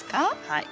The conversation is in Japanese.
はい。